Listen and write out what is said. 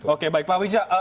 oke baik pak wija